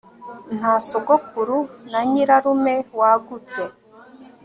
nta sogokuru na nyirarume wagutse